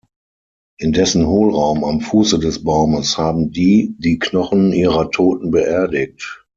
In dessen Hohlraum am Fuße des Baumes haben die die Knochen ihrer Toten beerdigt.